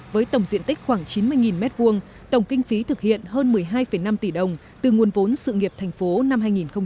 với tổng diện tích khoảng chín mươi m hai tổng kinh phí thực hiện hơn một mươi hai năm tỷ đồng từ nguồn vốn sự nghiệp thành phố năm hai nghìn một mươi chín